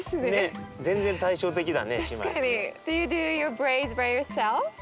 全然対照的だね姉妹で。